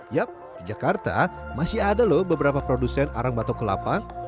yap di jakarta masih ada loh beberapa produsen arang batok kelapa